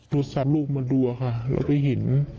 รูดสับลูกมาดูค่ะแล้วไปเห็น